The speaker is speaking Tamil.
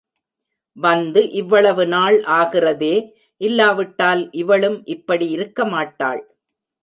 வந்து இவ்வளவு நாள் ஆகிறதே இல்லாவிட்டால் இவளும் இப்படி இருக்கமாட்டாள்.